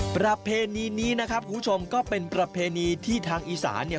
ประเพณีนี้นะครับคุณผู้ชมก็เป็นประเพณีที่ทางอีสานเนี่ย